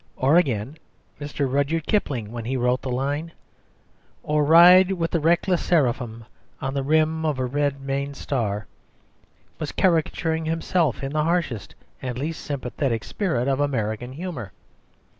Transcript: Or again, Mr. Rudyard Kipling when he wrote the line "Or ride with the reckless seraphim on the rim of a red maned star," was caricaturing himself in the harshest and least sympathetic spirit of American humour.